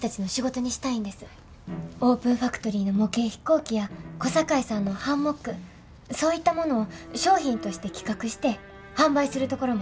オープンファクトリーの模型飛行機や小堺さんのハンモックそういったものを商品として企画して販売するところまで考えてます。